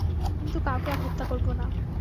কিন্তু কাউকে আর হত্যা করব না।